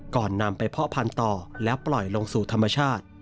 นำไปเพาะพันธุ์ต่อและปล่อยลงสู่ธรรมชาติ